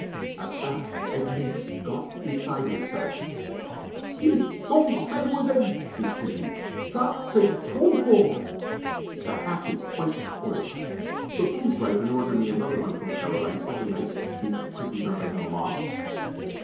At that Agnès got beside herself. "Fi! donc, Mademoiselle!" she screamed, "ça c'est trop fort!" [Sidenote: On the Water Shoot] The hat is quite spoilt, so please write and order me another one from Caroline's, like a nice, sweet, pretty, darling Mamma.